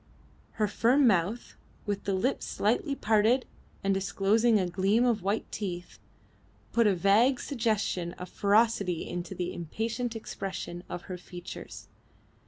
Her firm mouth, with the lips slightly parted and disclosing a gleam of white teeth, put a vague suggestion of ferocity into the impatient expression of her features.